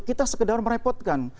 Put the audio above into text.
kita sekedar merepotkan